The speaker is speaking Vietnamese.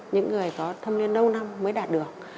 phải có thâm niên lâu năm mới đạt được